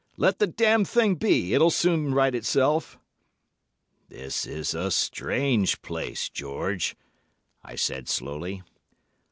'Let the damned thing be; it'll soon right itself.' "'This is a strange place, George!' I said slowly.